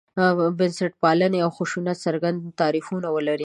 بنسټپالنې او خشونت څرګند تعریفونه ولرو.